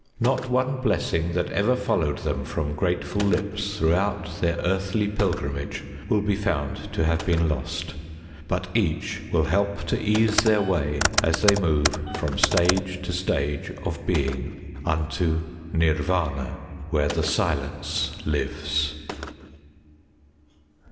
Not one blessing that ever followed them from grateful lips throughout their earthly pilgrimage will be found to have been lost; but each will help to ease their way as they move from stage to stage of Being UNTO NIRV─ĆN╠ŻA WHERE THE SILENCE LIVES.